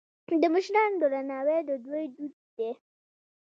د مشرانو درناوی د دوی دود دی.